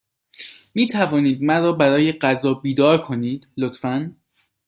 می توانید مرا برای غذا بیدار کنید، لطفا؟